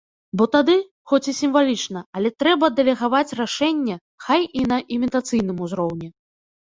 Бо тады, хоць і сімвалічна, але трэба дэлегаваць рашэнне хай і на імітацыйным узроўні.